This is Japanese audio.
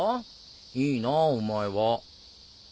いいなお前は。